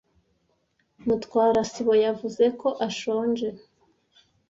Mutwara sibo yavuze ko ashonje.